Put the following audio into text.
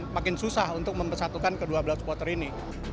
makin susah untuk mempersatukan kedua belah supporter ini